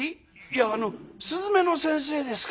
いやあの雀の先生ですか。